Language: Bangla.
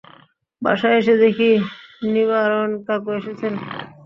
বাসায় এসে দেখি নিবারণ কাকু এসেছেন।